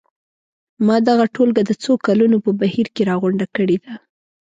ما دغه ټولګه د څو کلونو په بهیر کې راغونډه کړې ده.